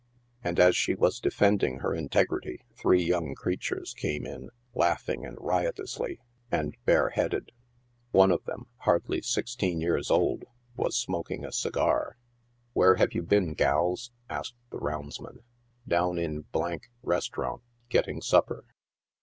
And as she was defending her integrity three young creatures came in, laughing and riotously, and bare headed. One of them, hardly sixteen years old, was smoking a segar. TIIE NEWSPAPERS. 101 ♦' "Where have you been, gals ?" asked the roundsman. " Down in restaurant, getting supper."